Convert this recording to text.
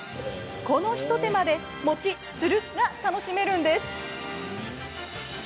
この一手間でもちっつるっが楽しめるんです。